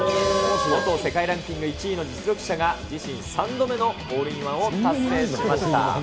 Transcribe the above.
元世界ランキング１位の実力者が、自身３度目のホールインワンを達成しました。